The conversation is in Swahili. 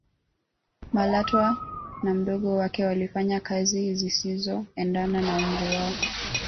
malatwa na mdogo wake walifanya kazi zisizoendana na umri wao